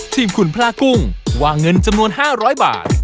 ทีมคุณพลากุ้งวางเงินจำนวน๕๐๐บาท